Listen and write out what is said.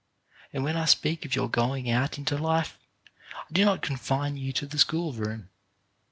And when I speak of your going out into life, I do not confine you to the schoolroom.